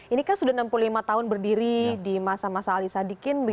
ini kan sudah enam puluh lima tahun berdiri di masa masa ali sadikin